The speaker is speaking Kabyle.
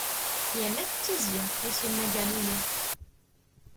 Yerna tettezzi, i s-yenna Galili.